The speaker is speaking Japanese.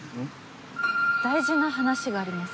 大事な話があります。